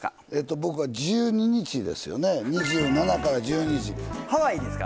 僕は１２日ですよね、２７かハワイですか？